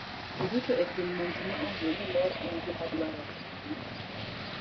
Ji duto e piny mangima ong'eyo ni ler en gima dwarore ahinya.